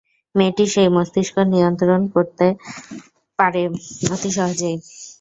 মেয়েটি সেই মস্তিষ্ক নিয়ন্ত্রণ করতে পারে অতি সহজেই।